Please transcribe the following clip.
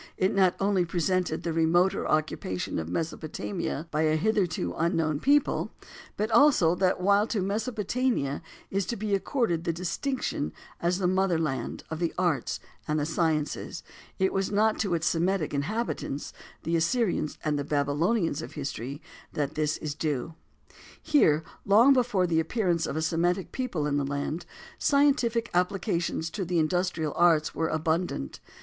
It not only presented the remoter occupation of Mesopotamia by a hitherto unknown people, but also that while to Mesopotamia is to be accorded the distinction as the "mother land" of the arts and sciences, it was not to its Semitic inhabitants, the Assyrians and Babylonians of history, that this is due. Here, long before the appearance of a Semitic people in the land, scientific applications to the industrial arts were abundant.